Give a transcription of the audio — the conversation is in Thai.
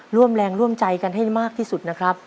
ร่วมแรงร่วมใจกันให้มากที่สุดนะครับ